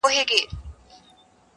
په خپل شعر او ستا په ږغ یې ویښومه-